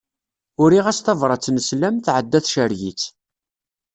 Uriɣ-as tabrat n sslam, tɛedda tcerreg-itt.